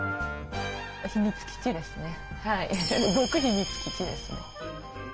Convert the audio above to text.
秘密基地ですね。